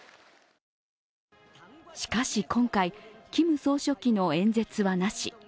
しかし、今回、キム総書記の演説はなし。